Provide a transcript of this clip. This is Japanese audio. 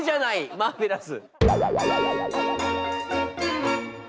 マーベラス。